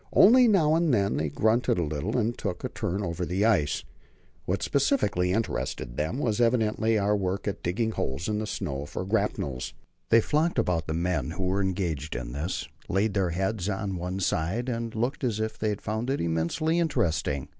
Only now and then they grunted a little and took a turn over the ice. What specially interested them was evidently our work at digging holes in the snow for the grapnels. They flocked about the men who were engaged in this, laid their heads on one side, and looked as if they found it immensely interesting.